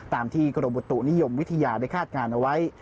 ตามที่กรมบุตุนิยมวิทยาได้คาดการณ์เอาไว้